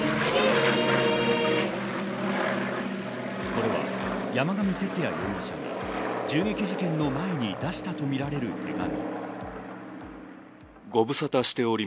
これは山上徹也容疑者が銃撃事件の前に出したとみられる手紙。